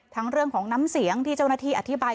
ทั้งเรื่องของน้ำเสียงที่เจ้าหน้าที่อธิบาย